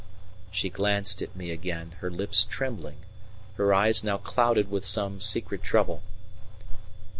She glanced at me again, her lips trembling, her eyes now clouded with some secret trouble.